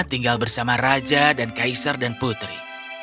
tinggal bersama raja dan kaisar dan putri